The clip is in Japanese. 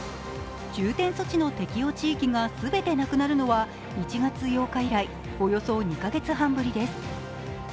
重点措置の適用地域が全てなくなるのは１月８日以来およそ２カ月半ぶりです。